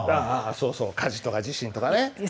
そうそう火事とか地震とかね。